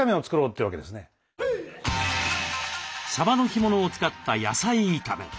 サバの干物を使った野菜炒め。